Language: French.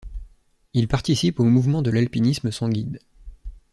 Il participe au mouvement de l'alpinisme sans guide.